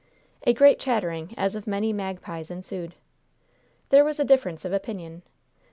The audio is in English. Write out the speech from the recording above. A great chattering as of many magpies ensued. There was a difference of opinion.